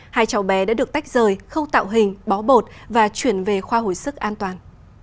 hai cháu bé đã được tách rời khâu tạo hình bó bột và chuyển về khoa hồi sức an toàn